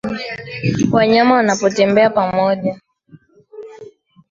Wanyama wanapotembea pamoja